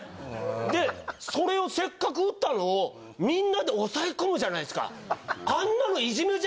でそれをせっかく打ったのをみんなで抑え込むじゃないですか。